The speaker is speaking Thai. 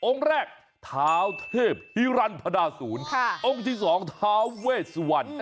องค์แรกทาเทพธิรันด์พระดาษูนองค์ที่สองทาเวสวรรค์